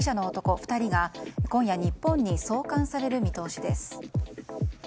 ２人が今夜日本に送還される見通しです。